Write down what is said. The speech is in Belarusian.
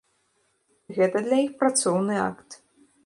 Гэта для іх працоўны акт.